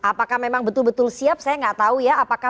apakah memang betul betul siap saya nggak tahu ya